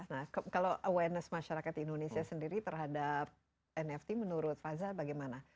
nah kalau awareness masyarakat indonesia sendiri terhadap nft menurut faza bagaimana